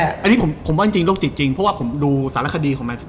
แต่ที่ผมบอกจริงลูกจิตจริงเพราะว่าดูสารคดีของแมนสตี้